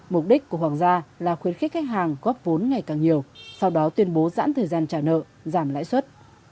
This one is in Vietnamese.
mục đích của hoàng gia là khuyến khích khách hàng góp vốn ngày càng nhiều sau đó tuyên bố giãn thời gian trả nợ giảm lãi suất